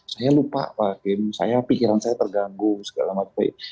saya lupa hakim pikiran saya terganggu segala macam